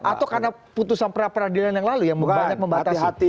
atau karena putusan peradilan yang lalu yang membatasi